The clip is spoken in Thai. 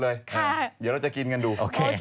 เดี๋ยวเราจะกินกันดู